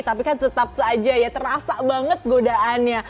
tapi kan tetap saja ya terasa banget godaannya